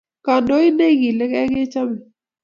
Kandoin ne igilegelei kechame